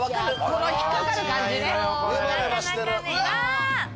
この引っ掛かる感じね。